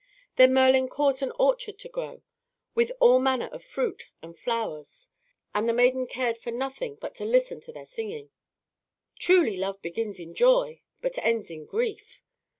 Then Merlin caused an orchard to grow, with all manner of fruit and flowers; and the maiden cared for nothing but to listen to their singing, "Truly love begins in joy, but ends in grief."